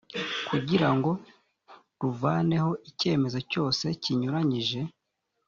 kugira ngo ruvaneho icyemezo cyose kinyuranyije